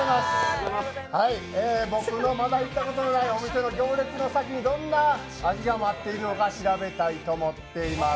僕のまだ行ったことのないお店の行列の先にどんな味が待っているのか調べたいと思っています。